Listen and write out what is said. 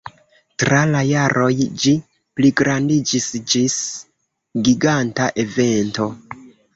Tra la jaroj ĝi pligrandiĝis ĝis giganta evento.